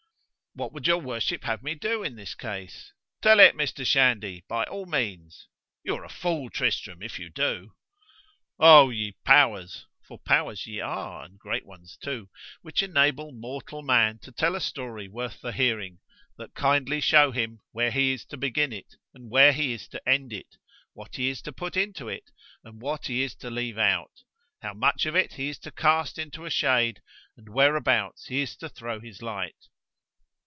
—What would your worship have me to do in this case? —Tell it, Mr. Shandy, by all means.—You are a fool, Tristram, if you do. O ye powers! (for powers ye are, and great ones too)—which enable mortal man to tell a story worth the hearing——that kindly shew him, where he is to begin it—and where he is to end it——what he is to put into it——and what he is to leave out—how much of it he is to cast into a shade—and whereabouts he is to throw his light!